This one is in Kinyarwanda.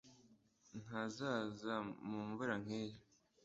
Ntazaza mu mvura nkiyi